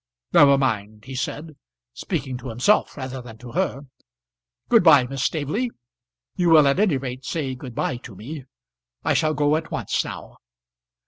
"Never mind," he said, speaking to himself rather than to her. "Good bye, Miss Staveley. You will at any rate say good bye to me. I shall go at once now."